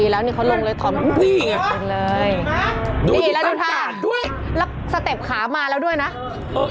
แล้วสเต็ปขามาแล้วด้วยนะ